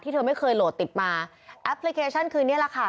เธอไม่เคยโหลดติดมาแอปพลิเคชันคืนนี้แหละค่ะ